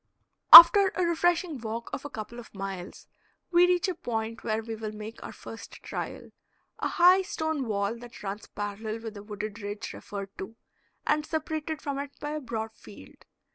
After a refreshing walk of a couple of miles we reach a point where we will make our first trial a high stone wall that runs parallel with the wooded ridge referred to, and separated from it by a broad field.